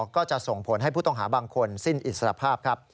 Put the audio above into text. ก็จะส่งผลให้ผู้ต้องหาบางคนสิ้นอิสรภาพครับ